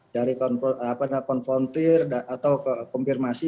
dari konfrontir atau konfirmasi